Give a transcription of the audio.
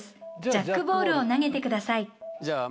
ジャックボールを投げてください。